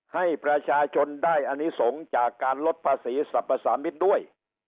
ให้ประชาชนได้อนิสงฆ์จากการลดภาษีสรรพสามิตรด้วย